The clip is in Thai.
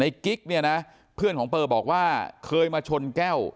กิ๊กเนี่ยนะเพื่อนของเปอร์บอกว่าเคยมาชนแก้ว